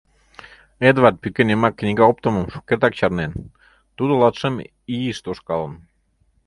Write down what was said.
Эдвард пӱкен йымак книга оптымым шукертак чарнен, тудо латшым ийыш тошкалын.